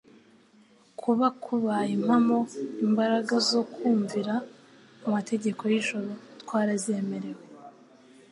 kuba kubaye impamo, imbaraga zo kumvira amategeko y'ijuru twarazemerewe .